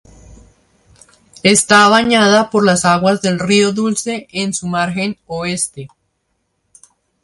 Está bañada por las aguas del río Dulce en su margen oeste.